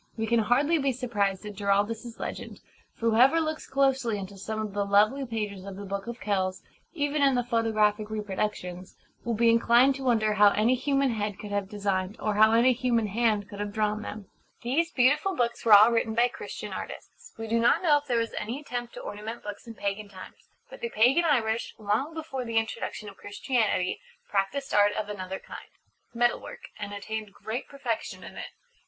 We can hardly be surprised at Giraldus's legend; for whoever looks closely into some of the lovely pages of the Book of Kells even in the photographic reproductions will be inclined to wonder how any human head could have designed, or how any human hand could have drawn them. These beautiful books were all written by Christian artists. We do not know if there was any attempt to ornament books in pagan times. But the pagan Irish, long before the introduction of Christianity, practised art of another kind Metal work and attained great perfection in it.